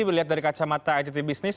belihat dari kacamata ict business